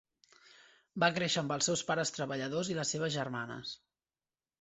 Va créixer amb els seus pares treballadors i les seves germanes.